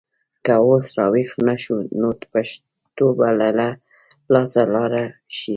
که اوس راویښ نه شو نو پښتو به له لاسه لاړه شي.